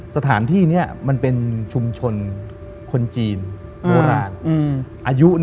สถานที่นี้มันเป็นชุมชนคนจีนโบราณอายุ